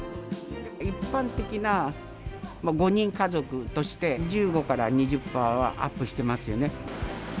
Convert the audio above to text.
一般的な５人家族として、１５から２０パーはアップしてますよね。